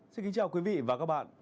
xin kính chào quý vị và các bạn